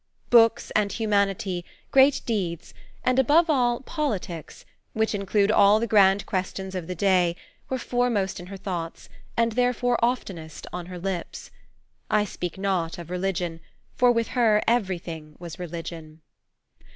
Books and humanity, great deeds, and above all, politics, which include all the grand questions of the day, were foremost in her thoughts, and therefore oftenest on her lips. I speak not of religion, for with her everything was religion.